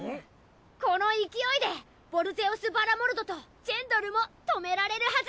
この勢いでヴォルゼオス・バラモルドとジェンドルも止められるはず！